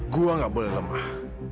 gue gak boleh lemah